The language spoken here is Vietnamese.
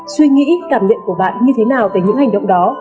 suy nghĩ cảm nhận của bạn như thế nào về những hành động đó